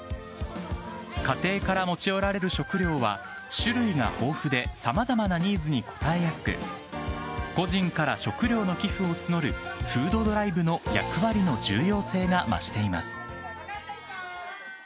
家庭から持ち寄られる食料は種類が豊富で、さまざまなニーズに応えやすく、個人から食料の寄付を募るフードドライブの役割の重要性が増しています。